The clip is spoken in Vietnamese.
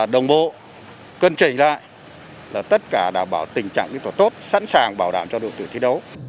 đồng bộ cân chỉnh lại là tất cả đảm bảo tình trạng kỹ thuật tốt sẵn sàng bảo đảm cho đội tuyển thi đấu